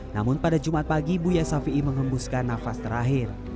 namun pada jumat pagi buya safi'i mengembuskan nafas terakhir